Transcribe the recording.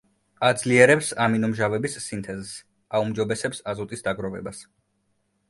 აძლიერებს ამინომჟავების სინთეზს, აუმჯობესებს აზოტის დაგროვებას.